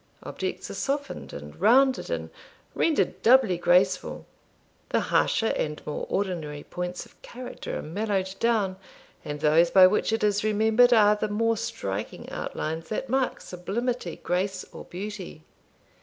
Objects are softened, and rounded, and rendered doubly graceful; the harsher and more ordinary points of character are mellowed down, and those by which it is remembered are the more striking outlines that mark sublimity, grace, or beauty.